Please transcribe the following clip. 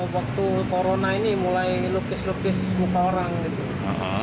waktu corona ini mulai lukis lukis muka orang gitu